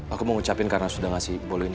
aku mau ngucapin karena sudah ngasih bolo ini